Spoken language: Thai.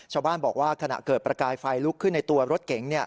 ชาวบ้านบอกว่าขณะเกิดประกายไฟลุกขึ้นในตัวรถเก๋ง